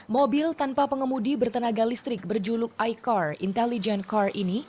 mobil tanpa pengemudi bertenaga listrik berjuluk icar intelligent car ini